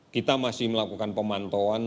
kita masih melakukan pemantauan